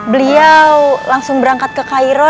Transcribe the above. beliau langsung berangkat ke cairo